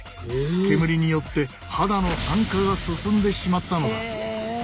煙によって肌の酸化が進んでしまったのだ。